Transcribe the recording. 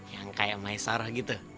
yang kayak maisarah gitu